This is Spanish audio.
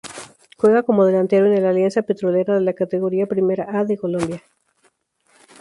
Juega como delantero en el Alianza Petrolera de la Categoría Primera A de Colombia.